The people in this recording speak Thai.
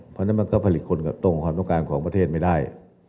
เพราะฉะนั้นมันก็ผลิตคนตรงความต้องการของประเทศไม่ได้